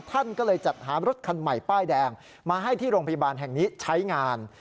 ท่านก็เลยจัดหารถคันใหม่ป้ายแดงมาให้ที่โรงพยาบาลแห่งนี้ใช้งาน